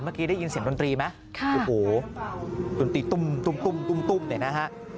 เมื่อกี้ได้ยินเสียงดนตรีไหมโอ้โหดนตรีตุ้มเดี๋ยวนะฮะ